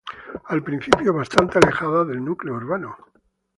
Al principio, bastante alejada del núcleo urbano.